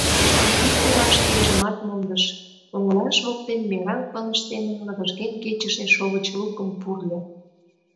Таки кува шкенжымат мондыш, оҥылаш воктен мераҥ пылыш семын лывыжген кечыше шовыч лукым пурльо.